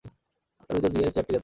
আত্মার ভিতর দিয়াই চেয়ারটি জ্ঞাত হয়।